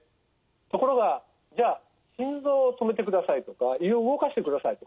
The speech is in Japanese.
ところがじゃあ心臓を止めてくださいとか胃を動かしてくださいと。